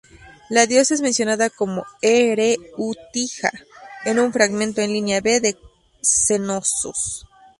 La diosa es mencionada como "E-re-u-ti-ja" en un fragmento en lineal B de Cnosos.